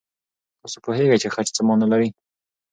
تاسو پوهېږئ چې خج څه مانا لري؟